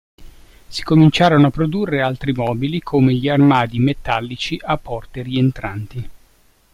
Si cominciarono a produrre altri mobili come gli armadi metallici a porte rientranti.